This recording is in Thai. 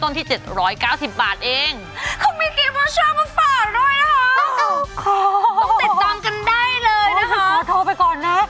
ต้องติดตามกันได้เลยนะคะโทรไปก่อนนะ